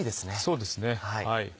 そうですね。